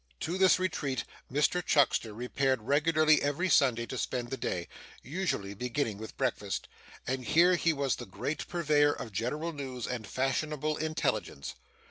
To this retreat Mr Chuckster repaired regularly every Sunday to spend the day usually beginning with breakfast and here he was the great purveyor of general news and fashionable intelligence.